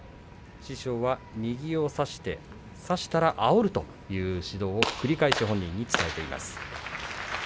師匠は右を差して差したらあおるという指導を繰り返し本人に伝えています。